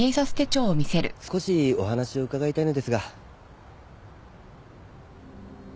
少しお話を伺いたいのですが。